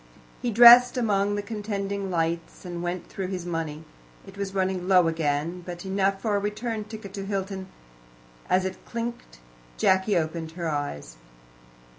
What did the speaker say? He dressed among the contending lights, and went through his money. It was running low again, but enough for a return ticket to Hilton. As it clinked Jacky opened her eyes.